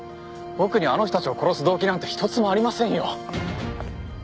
僕にはあの人たちを殺す動機なんて一つもありませんよ。